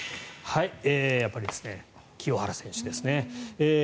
やっぱり清原選手ですね。